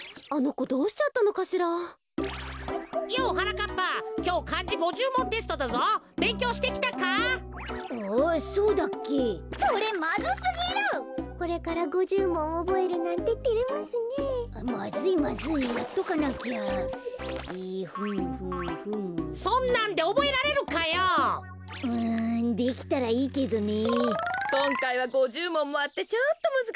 こんかいは５０もんもあってちょっとむずかしかったかな？